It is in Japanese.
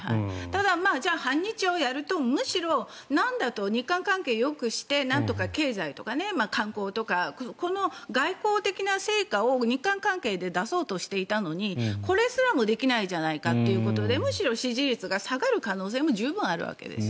ただ、反日をやるとなんだと日韓関係よくしてなんとか経済とか観光とかこの外交的な成果を日韓関係で出そうとしていたのにこれすらもできないじゃないかということでむしろ支持率が下がる可能性も十分あるわけです。